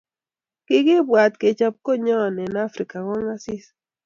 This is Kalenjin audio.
kikibwat kechop kanyoo eng African Kongasis